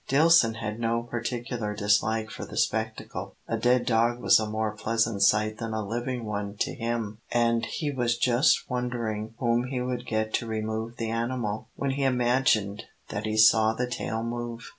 Dillson had no particular dislike for the spectacle. A dead dog was a more pleasant sight than a living one to him, and he was just wondering whom he would get to remove the animal, when he imagined that he saw the tail move.